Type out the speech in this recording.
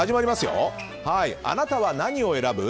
あなたは何を選ぶ？